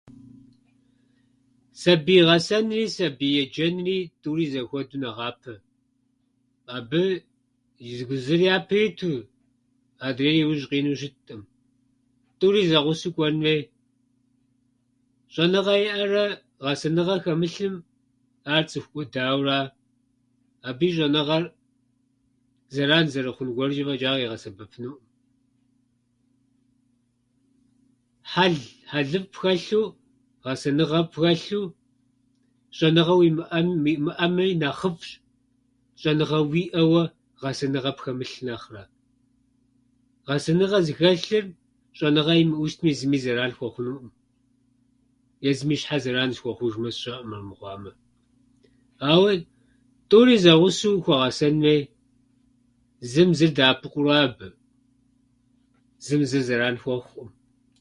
Сабий гъэсэнри сабий еджэнри тӏури зэхуэдэу нэхъапэ. Абы и зы- зыр япэ иту, адрейр иужь къинэу щыткъым. Тӏури зэгъусэу кӏуэн хуей. Щӏэныгъэ иӏэрэ гъэсэныгъэ хэмылъым, ар цӏыху кӏуэдауэра. Абы и щӏэныгъэр зэран зэрыхъун гуэркӏэ фӏэкӏа къигъэсэбэпынукъым. хьэл- Хьэлыфӏ хэлъу, гъэсэныгъэфӏ хэлъу, щӏэныгъэ уимыӏэну- уимыӏэми нэхъыфӏщ щӏэныгъэ уиӏэуэ гъэсэныгъэ пхэмылъ нэхърэ. Гъэсэныгъэ зыхэлъыр щӏэныгъэ имыӏу щытми, зыми зэран хуэхъунуӏым, езым и щхьэ зэран зыхуэхъужурэ, сщӏэӏым армыхъуамэ. Ауэ тӏури зэгъусэу хуэгъэсэн хуей. Зым зыр дэӏэпыкъура абы, зым зыр зэран хуэхъуӏым.